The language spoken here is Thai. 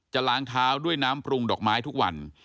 ล้างเท้าด้วยน้ำปรุงดอกไม้ทุกวัน